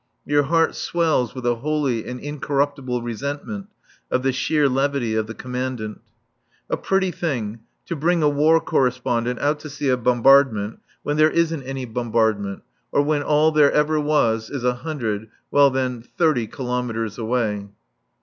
Your heart swells with a holy and incorruptible resentment of the sheer levity of the Commandant. A pretty thing to bring a War Correspondent out to see a bombardment when there isn't any bombardment, or when all there ever was is a hundred well then, thirty kilometres away.